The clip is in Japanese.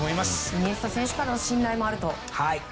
イニエスタ選手からの信頼もあると。